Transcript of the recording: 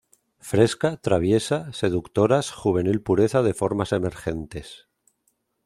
Fresca, traviesa, seductoras, juvenil pureza de formas emergentes.